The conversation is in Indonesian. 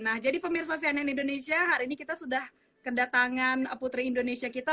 nah jadi pemirsa cnn indonesia hari ini kita sudah kedatangan putri indonesia kita